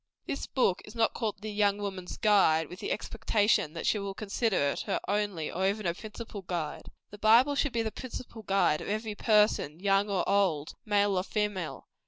This book is not called "The Young Woman's GUIDE," with the expectation that she will consider it her only or even her principal guide. The Bible should be the principal guide of every person, young or old, male or female.